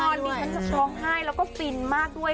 ดูทุกตอนดิฉันจะร้องไห้แล้วก็ฟรินมากด้วย